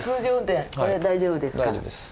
これは大丈夫ですか。